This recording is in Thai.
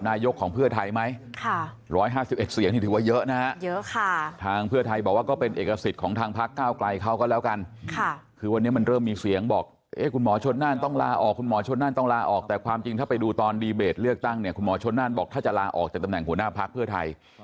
และเลือกตั้งเนี่ยคุณหมอชนนั่นบอกถ้าจะลาออกจากตำแหน่งหัวหน้าภักร์เพื่อไทย